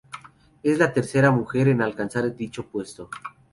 Es la tercera mujer en alcanzar dicho puesto.